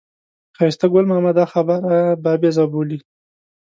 ښایسته ګل ماما دا خبرې بابیزه بولي.